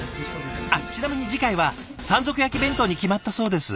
あっちなみに次回は山賊焼き弁当に決まったそうです。